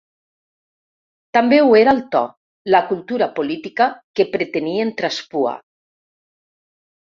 També ho era el to, la cultura política que pretenien traspuar.